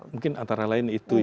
mungkin antara lain itu